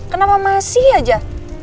kenapa masih aja